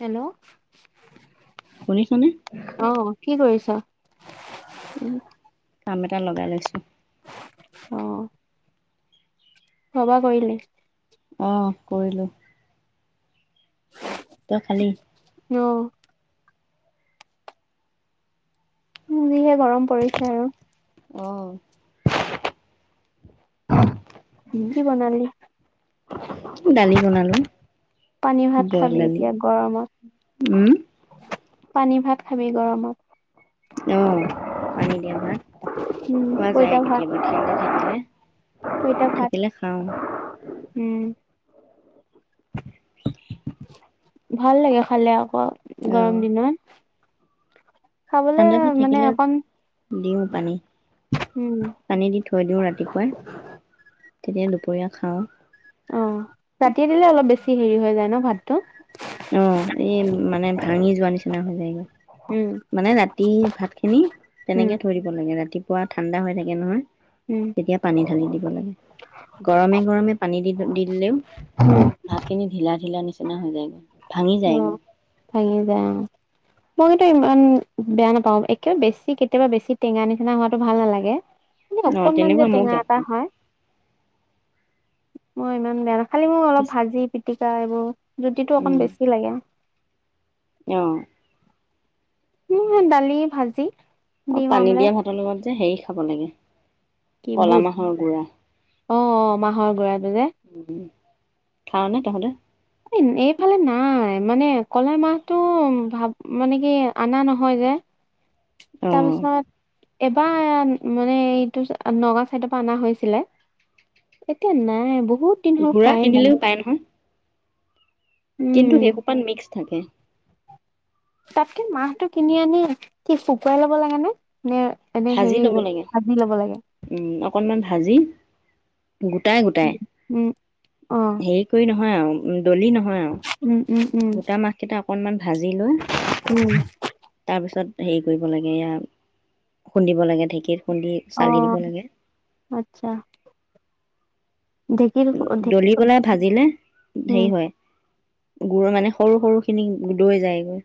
Hello শুনিছনে? অ কি কৰিছ অ উম, কাম এটা লগাই লৈছো অ সবা কৰিলি? অহ কৰিলো হয় [unintelligible] ত খালি ন উম [unintelligible] মৰম পৰিছে আৰু অহ কি বনালি? ডালি বনালো। পানী ভাত বইল খাবি দালি এতিয়া উম গৰমত। পানী ভাত খাবি গৰমত অ পানী দিয়া ভাত উম খোৱা পইতা যায় ভাত কেতিয়াবা উ [unintelligible] পইতা ভাত। উম ভাল লাগে খালে আকৌ অ গৰম দিনত খাবলে ঠাণ্ডা ভাত মানে থাকিলে অকণ দিওঁ পানী উম পানী দি থৈ দিওঁ ৰাতিপুৱাই তেতিয়া দুপৰীয়া খাওঁ অ ৰাতিয়ে দিলে অলপ বেছি হেৰি হৈ যায় ন ভাতটো অ এই মানে ভাঙি যোৱা নিচিনা হৈ যায়গৈ উম মানে ৰাতি ভাত খিনি উম তেনেকে থৈ দিব লাগে ৰাতি পুৱা ঠাণ্ডা হৈ থাকে নহয় উম তেতিয়া পানী ঢালি দিব গৰমে গৰমে পানী দি দি হেল্ল' উম ভাতখিনি ঢিলা ঢিলা নিচিনা হৈ যায়গৈ ভাঙি অ যায়গৈ ভঙি যায় অ মই টো ইমান বেয়া নাপাওঁ একে বেছি কেতিয়াবা বেছি টেঙা নিচিনা হোৱাটো ভাল নালাগে মানে অ অকনমান যে তেনেকুৱা মোক টেঙা এটা দেখোঁ হয় মই ইমান বেয়া খালি মই অলপ বেছি ভাজি পিতিকা এইবোৰ জুটি টো অকণ বেছি আহ উম দালি ভাজি অ ডিম পানী দিয়া আমলেট ভাতৰ লগত যে হেৰি খাব লাগে কি কলা বুট মাহৰ গুড়া অ মাহৰ গৰাটো যে খাও নে তহঁতে এইফালে নাই মানে কলা মাহটো মানে কি অনা নহয় যে অ তাৰপিছত এবাৰ মানে এইটো নগাওঁ চাইডৰ পৰা অনা হৈছিলে এতিয়া নাই বহুত দিন হ'ল ঘোঁৰা খোৱাই নাই কিনিলেও পায় নহয় কিন্তু উম সেইহোপাত মিক্স থাকে তাতকে মাহটো কিনি আনি কি শুকুৱাই লব লাগে ন নে এনেই ভাজি হেৰি ভাজি ল'ব লাগে অকণমান ভাজি গোটাই গোটাই উম অ হেৰি কৰি নহয় হয় দলি নহয় হয় আৰু উম উম উম গোটা মাহকেইটা অকণমান তাৰপিছত ভাজি লৈ উম, হেৰি কৰিব লাগে ইয়াৰ খুন্দিব লাগে ঢেঁকীৰ আহ আচ্ছা ঢেঁকীৰ ঢেঁকী দলি পেলাই ভাজিলে উম হেৰি হয় গুৰমানে সৰু সৰু খিনি দৈ যায়গৈ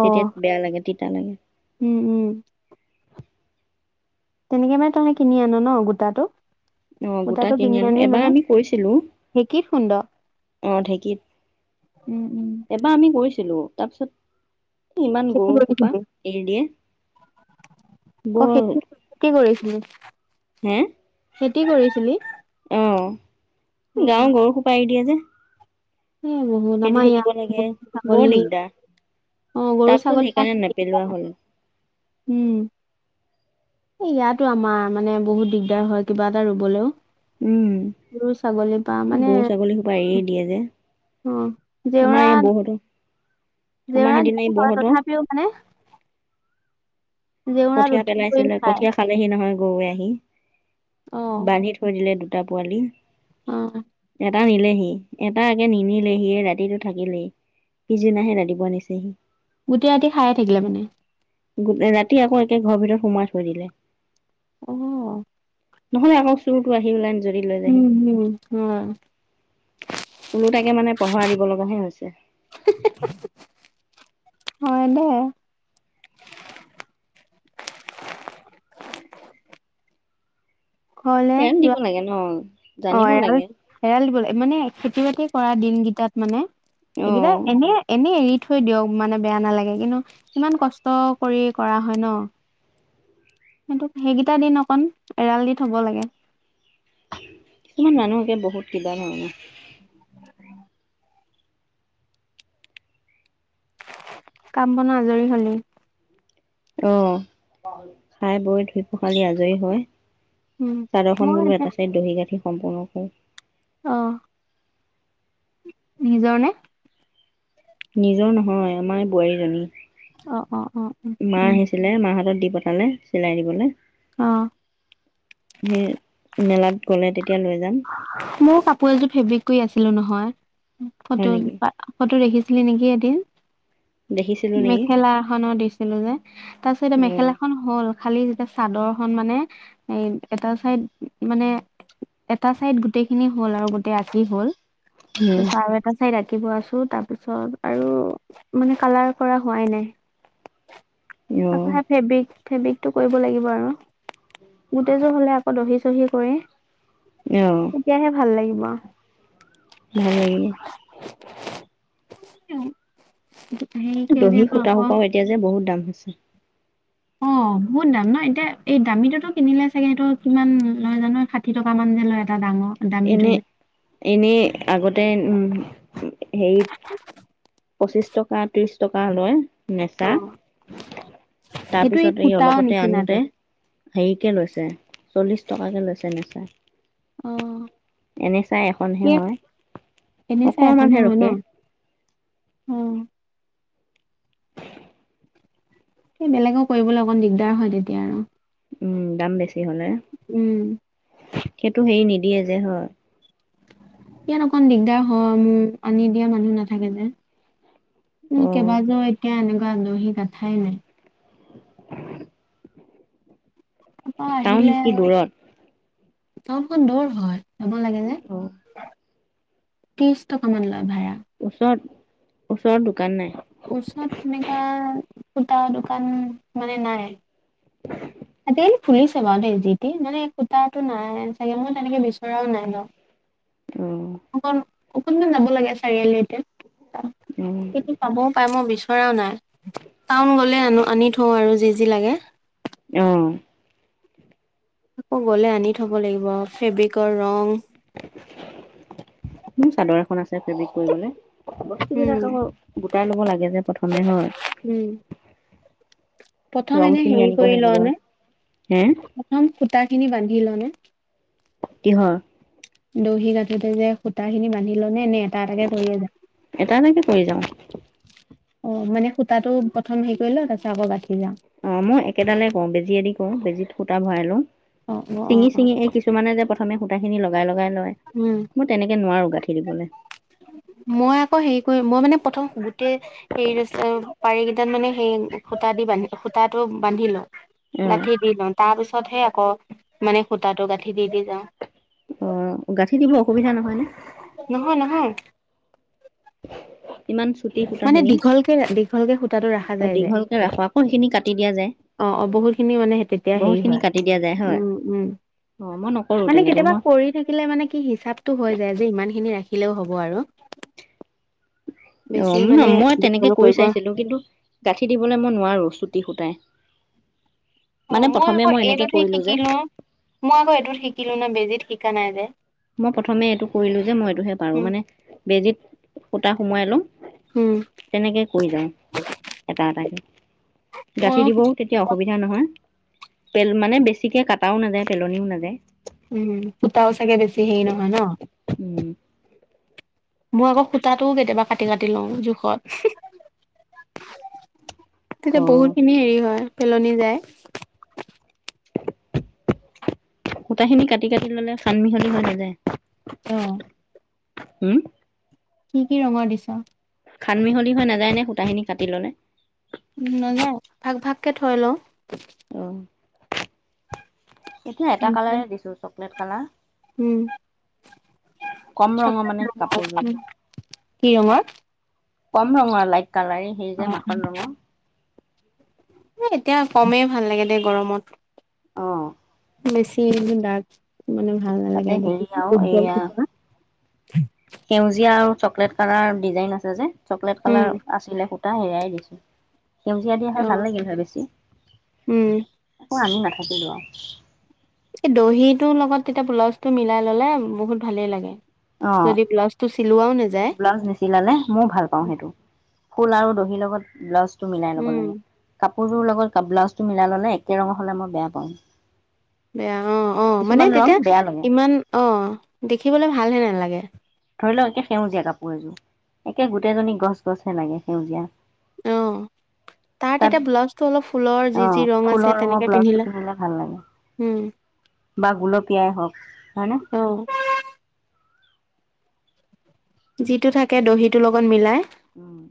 অ বেয়া লাগে তেতিয়া লাগে উম উম তেনেকে মানে তহ কিনি আন ন গোটাটো অ গোটা গোটাটো কিনি আনো আনি এবাৰ মানে আমি কৈছিলো ঢেঁকীত খুন্দ আহ ঢেঁকীত উম উম এবাৰ আমি কৈছিলো ছিলো তাৰপিছত ইমান খেতি গৰু সোপা কৰিছিলি এৰি দিয়ে অ খেতি বৰ খেতি হে কি কৰিছিলি অ অ গাঁৱৰ গৰু সোপাই এৰি দিয়ে যে [inaudible] এই বহুত খেদি আমাৰ থাকিব ইয়াত লাগে গৰু বৰ ছাগলী দিগদাৰ অ তাৰ গৰু পিছত ছাগলী সেইকাৰণে নেপেলোৱা হ'ল ইয়াতো আমাৰ মানে বহুত দিগদাৰ হয় কিবা এটা ৰুবলৈও উম গৰু ছাগলীৰ পৰা মানে গৰু ছাগলী সোপা এৰিয়ে দিয়ে যে অ আমাৰ জেউৰা এই বৌহঁতৰ আমাৰ জেউৰা সেইদিনা এই দিও বাও বৌহঁতৰ তথাপিও মানে জেউৰাত কঠীয়াা উঠি কৰি পেলাইছিলে খায়। কঠীয়াা খালেহি নহয় গৰুৱে আহি অ', বান্ধি থৈ দিলে দু দুটা পোৱালি অ'। এটা নিলেহি এটাগে নিনিলেহি ৰাতিটো থাকিলেহি পিছদিনাহে ৰাতিপুৱা নিচেহি গোটেই ৰাতি খায়ে থাকিলে মানে গোটেই ৰাতি ৰ আকৌ একে ঘৰ ভিতৰত সোমাই থৈ দিলে অ নহলে আকৌ চোৰটো আহি ওলাই যদি লৈ যাহি হুম, হয়। ওলো তাকে মানে পহৰা দিব লগা হে হৈছে হয় দে ঘৰলে ধ্যান দিব যোৱা লাগে ন অ জানিব এৰাল লাগে এৰাল দিবলৈ মানে খেতি বাতি পৰা দিনকেইটাত মানে অ হেইগেটা এনে এনে থৈ দিয়ক মানে বেয়া নালাগে কিন্তু ইমান কষ্ট কৰি কৰা হয় ন সেইটো সেইকেইটা দিন অকন এৰাল দি থব লাগে কিছুমান মানুহগে বহুত কিবা ধৰণে কাম বনা আজৰি হলি আহ খাই বৈ ধুই পখালি আজৰি হয় উম, চাদৰ খন মই বোলো এতিয়া এটা চাইদ দহি গাঠি সম্পূৰ্ণ হল অ'। নিজৰ নে? নিজৰ নহয়, আমাৰ অ', অ', অ', অ'। বোৱাৰীজনী। মা উম, আহিছিলে মাহ হাতত দিপ পতালে চিলাই দিবলে। অ'। হেই মেলাত গ'লে তেতিয়া লৈ যাম। মো কাপো এযো ফেব্ৰিক কই আছিলো নহয় উ ফটো, হয় নেকি পা-ফটো দেখি আছিলে নেকি এদিন। দেখিছিলো নেকি মেখেলা খন দিছিলো যে তাপিছত এতিয়া উম মেখেলা খন হ'ল খালি এ চাদৰখন মানে এ এটা চাইদ মানে-এটা চাইদ গোটেই খিনি হ'ল আৰু গোটেই আঁকি হ'ল। উম তাপিছ আও এটা চাইদ আ আঁকিব আছো তাপিছত আৰু মানে কালাৰ কৰা হোৱাই নাই। অ আকৌ হেয়া ফেবিক ফেব্ৰিকটো কৰিব লাগিব আৰু। গোটেই জোৰ হ'লে আকৌ দহিছ দহি কয়ে। ইঅ। তেতিয়াহে ভাল লাগিব। ভালে। [inaudible] দহি সেউজীয়াটো সূতা আকৌ সোপাও এতিয়া যে বহুত দাম। হছে। অ' বহুত দাম ন? এতিয়া এই দামীটোতো কিনিলে চাগে হেটো কিমান লয় জানো ষাঠি টকামান যে লয় এটা ডাঙৰ দামীটো এনে, যে। এনেই আগতে উম। হেৰিত [inaudible] পঁচিশ টকা, ত্ৰিশ টকা লৈ নেচা অ', সেইটো তাপিছত এই সূতাৰ অলপতে নিচিনাটো আনোতে হেইকে লৈছে, চল্লিশ টকাকে লৈছে নেচা। এনেচা এখনহে কি হয়, এনে চা অকমানহে ৰখে। অ'। এ বেলেগ' কইবলৈ অকণ দিগদাৰ হয় তেতিয়া আৰু। উম দাম বেছ ছি হ'লে। উম। সেটো হেই নিদিয়ে যে হয়। ইয়াত অকণ দিগদাৰ হয় মো আনি দিয়া মানুহ নাথাকে যে। উ অ কেইবাযোৰ একে আনিলো। আহ দহি গাঠাই নাই। উম তাৰ পৰা আহিলে। কি দূৰত টাউনখন দূৰ হয়। যাব লাগে যে, অ' ত্ৰিশ টকামান লৈ‌ ভাড়া। ওচৰত ওচৰত দোকান নাই ওচৰত তেনেকুৱা সূতা দোকান মানে নাই, আজিকালি খুলিছে বাৰু যিটি মানে সূতাটো নাই চাগে মই তেনেকে বিচৰাও নাই বাৰু। অহ অকণমান যাব লাগে চাৰিআলি লৈকে অ' কি থিক পাবও পাৰে মই বিচৰা নাই ধৰাও নাই টাউন গলে আনো আনি থওঁ আৰু যি যি লাগে অহ আকৌ গলে আনি থব লাগিব ফেব্ৰিকৰ ৰং মোৰ চাদৰ এখন আছে ফেব্ৰিক কৰিবলৈ উম বস্তুবিলাক আকৌ গোটাই ল'ব লাগে যে প্ৰথমে হয়। উম প্ৰথম ৰং এনে খিনি হেৰি আনিব কৰি ল লাগিব নে হে প্ৰথম সুতা খিনি বান্ধি লনে কিহৰ দহি গাঠোতে যে সূতা খিনি বান্ধি লনে নে এটা এটাকে কৰিয়ে যাওঁ এটা এটাকে কৰি যাওঁ অহ মানে সূতাটো প্ৰথম হেৰি কৰি ল তাৰপিছত আকৌ বাতি অহ মই একেডালে কৰো বেজিয়েদি অহ বেজিত সূতা ভৰাই লওঁ অ অ অ ছিঙি অ ছিঙি এই কিছুমানে যে প্ৰথম প্ৰথমে সূতাখিন লগাই লগাই লয় উম। মই তেনেকে নোৱাৰো গাঁঠি দিবলে। মই আকৌ হেৰি কৰিম মই মানে প্ৰথম গোটেই হেৰিত আছে পাৰি কেইটাত মানে সেই সূতা দি বান্ধি সূতাটো বান্ধি ল অ' গাঠি দিলো তাৰপিছত পাছতহে আকৌ মানে সূতাটো গাঁঠি দি দি যাওঁ অহ গাঁঠি দিব অসুবিধা নহয় নে? নহয় নহয়। ইমান চুটি সুতা মানে খিনি, দীঘলকে দীঘলকে সূতাটো অহ দীঘলকে ৰাখা আকৌ সেইখিনি কাটি দিয়া যায় অহ অহ বহুতখিনি মানে তেতিয়া বহুত হেৰি খিনি হয়। কাটি দিয়া যায় হয়। উম অ মই নকৰো উম মানে তেনেকে কেতিয়াবা মই কৰি থাকিলে মানে কি হিচাপটো হৈ যায় যে ইমান খিনি ৰাখি থাকিলেও হ'ব আৰু বেছি অঁ ন মানে মই দীঘল তেনেকৈ কৰি কৰিব চাইছিলো কিন্তু গাঁঠি দিবলৈ মই নোৱাৰো ছুটি সূতায় অঁ মই আকৌ এইটোতহে শিকিলো মই আকৌ এইটোত শিকিলো ন বেজিত শিকা নাই যে মই প্ৰথমে এইটো কৰিলো যে মই এইটোহে পাৰো উম মানে বেজীিত সূতা সোমোৱাই লওঁ উম তেনেকে কৰি যা এটা এটাকে মইও গাঁঠি দিবও তেতিয়া অসুবিধা নহয় পেল মানে বেছিকে কাটাও নাযায় পেলনিও নাযায় উম সূতাও চাগে বেছি সেই নহয় ন উম মই আকৌ সূতাটোও কেতিয়াবা কাটি কাটি লওঁ জোখত অ তেতিয়া বহুত খিনি হেৰি হয় পেলনি যায় সূতা খিনি কাটি কাটি ললে চান মিহলি হৈ নাযায় অঁ উম কি কি ৰঙৰ দিছা খান মিহলি হৈ নাযায় নে সূতাখিনি কাটি ললে উ নাযায় ভাগ ভাগকে থৈ লওঁ আহ এতিয়া এটা কালাৰে দিছোঁ চকলেট কালাৰ উম কম ৰঙৰ চকলেট মানে কাপোৰযোৰ ৰঙৰ, কি ৰঙৰ কম ৰংঙৰ লাইক কালাৰীং হেৰি অ, যে মাখন ৰঙৰ এতিয়া কমেই ভাল লাগে দে গৰমত আহ বেছি মানে ভাল তাতে নালাগে দে হেৰি আৰু উজ্জ্বল এইয়া পা [unintelligible] সেউজীয়া আৰু চকলেট কালাৰ ডিজাইন আছে যে চকলেট উম কালাৰ আছিলে সু টা হেৰাইগৈছে সেউজীয়া দিয়া অ হয় ভাল লাগিল হয় বেছি উম একো আনি নাথো থাকিলো এই দহিটোৰ লগত তেতিয়া পলচটো মিলাই ললে বহুত ভালেই লাগে অ যদি ব্লাউজ টো চিলোৱাও নেযায় ব্লাউজ নিচিলালে মই ভাল পাওঁ সেইটো ফুল আৰু দহিৰ লগত ল টো মিলাই ল'ব উম লাগে কাপ সৰুৰ লগত ক ব্লাউজটো মিলাই ল'লে একে ৰঙৰ হ'লে মই বেয়া পাওঁ বেয়া অ অ মানে কিছুমান ৰং তেতিয়া বেয়া লাগে ইমান অ দেখিবলে ভালহে নালাগে ধৰি লওক একে সেউজীয়া কাপোৰ এযোৰ একে গোটেইজনী গছ গছহে লাগে সেউজীয়া আহ তাৰ তাত তেতিয়া ব্লাউজটো অলপ ফুলৰ যি অ', যি ৰং আছে ফুলৰ ৰঙৰ তেনেকে ব্লাউজটো পিন্ধিলে ভাল লাগে উম বা গুলপীয়াই হওক হয়নে? আহ যিটো থাকে দহিটো লগত মিলাই উম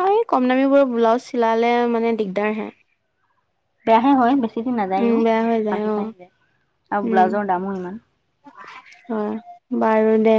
অ এই কম দামীবোৰ ব্লাউজ চিলালে মানে দিগদাৰ হে বেয়াহে হয় বেছি দি উম নাযায়ও বেয়া হৈ যায় আহাহি অ পাহিলে আৰু উম ব্লাউজৰ দামো ইমান হয় বাৰু দে